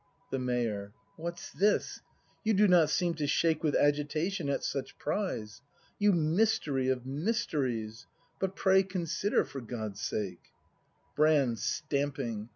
The Mayor. What's this? You do not seem to shake With agitation at such prize? You mystery of mysteries! But pray consider, for God's sake Brand. [Stamping.